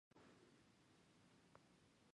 کمنټونه د ملګرو پورې محدود کړي وو